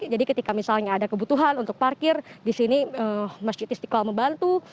jadi ketika misalnya ada kebutuhan untuk parkir di sini masjid istiqlal membantu